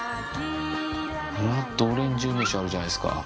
ブラッドオレンジ梅酒あるじゃないですか。